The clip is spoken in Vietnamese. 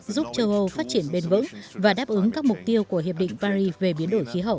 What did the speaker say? giúp châu âu phát triển bền vững và đáp ứng các mục tiêu của hiệp định paris về biến đổi khí hậu